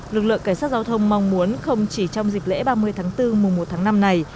lực lượng cảnh sát giao thông mong muốn không chỉ trong dịp lễ ba mươi tháng bốn mùa một tháng năm này